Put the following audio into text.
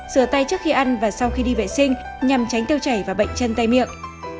sửa tay trước khi ăn và sau khi đi vệ sinh nhằm tránh tiêu chảy và bệnh chân tay miệng